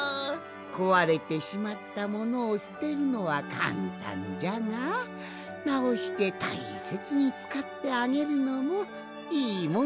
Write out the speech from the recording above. こわれてしまったものをすてるのはかんたんじゃがなおしてたいせつにつかってあげるのもいいもんじゃろう？